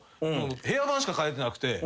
部屋番しか書いてなくて。